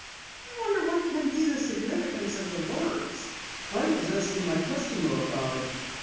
"I wonder what can be the significance of the words?" "I was asking my customer about it.